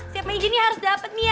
siap meja ini harus dapet nih ya